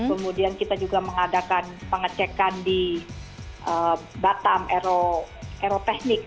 kemudian kita juga mengadakan pengecekan di batam aeroteknik